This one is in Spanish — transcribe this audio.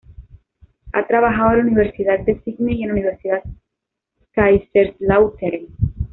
Ha trabajado en la Universidad de Sídney y en la Universidad Kaiserslautern.